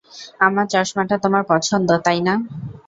আমার চশমাটা তোমার পছন্দ, তাই না?